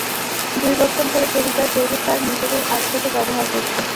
দুই বছর ধরে কেরু তার জৈব সার নিজেদের আখখেতে ব্যবহার করছে।